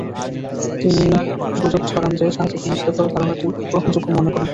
তিনি গুজব ছড়ান যে, শাহজাদা মোস্তফাও ধারণাটি গ্রহণযোগ্য মনে করেন।